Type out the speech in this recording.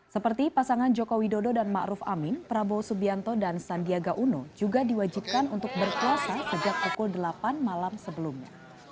seperti pasangan joko widodo dan ⁇ maruf ⁇ amin prabowo subianto dan sandiaga uno juga diwajibkan untuk berkuasa sejak pukul delapan malam sebelumnya